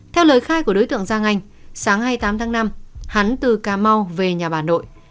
theo lời khai của đối tượng giang anh sáng hai mươi tám tháng năm hắn từ cà mau về nhà bà nội